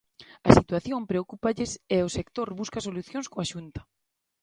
A situación preocúpalles e o sector busca solucións coa Xunta.